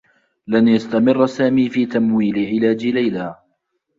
لن يستمرّ سامي في تمويل علاج ليلى.